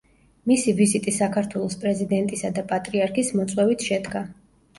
მისი ვიზიტი საქართველოს პრეზიდენტისა და პატრიარქის მოწვევით შედგა.